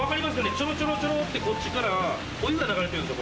チョロチョロチョロってこっちからお湯が流れてるんですよ